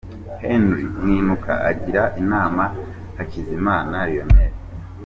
Henry Mwinuka agira inama Hakizimana Lionel.